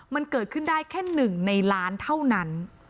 มันเกิดขึ้นได้แค่๑ในล้านเท่านั้น